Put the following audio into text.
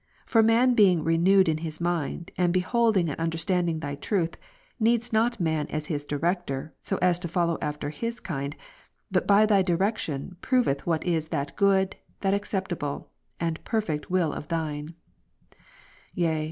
For man being renewed in his mind, and beholding and understanding Thy truth, needs not man jer. 31, as his director, so as to follow after his kind ; but by Thy ^ direction proveth what is that good, that acceptable, and perfect ivill of Thine : yea.